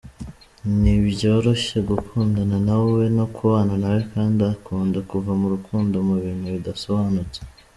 Ntibyoroshye gukundana nawe no kubana nawe kandi akunda kuva mu rukundo mu bintu bidasobanutse.